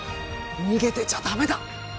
逃げてちゃダメだ！